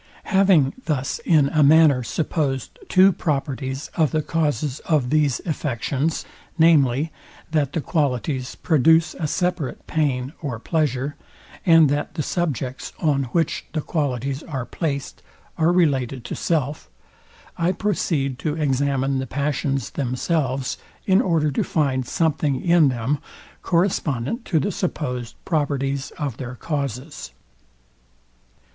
Having thus in a manner supposed two properties of the causes of these affections, viz, that the qualities produce a separate pain or pleasure, and that the subjects, on which the qualities are placed, are related to self; I proceed to examine the passions themselves, in order to find something in them, correspondent to the supposed properties of their causes.